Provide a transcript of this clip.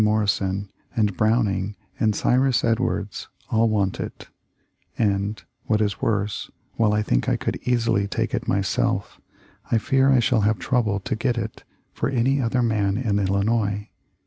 Morrison and Browning and Cyrus Edwards all want it, and what is worse, while I think I could easily take it myself I fear I shall have trouble to get it for any other man in Illinois.